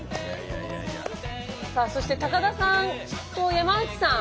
さあそして高田さんと山内さん。